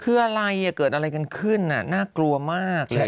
คืออะไรเกิดอะไรกันขึ้นน่ากลัวมากเลย